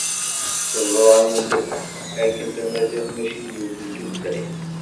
Teẓram d akken Tamaziɣt mačči d yiwet n tutlayt.